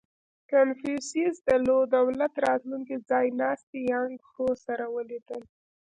• کنفوسیوس د لو دولت راتلونکی ځایناستی یانګ هو سره ولیدل.